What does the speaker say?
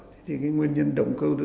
thì cái nguyên nhân động cơ